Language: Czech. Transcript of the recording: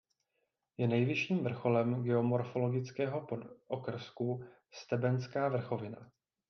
Je nejvyšším vrcholem geomorfologického podokrsku Stebenská vrchovina.